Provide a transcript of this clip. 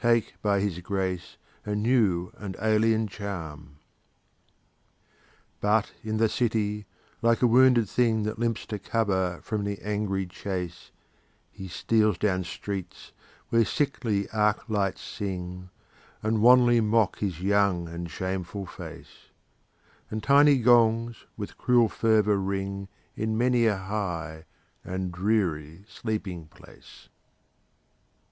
Take by his grace a new and alien charm. But in the city, like a wounded thing That limps to cover from the angry chase, He steals down streets where sickly arc lights sing, And wanly mock his young and shameful face; And tiny gongs with cruel fervor ring In many a high and dreary sleeping place.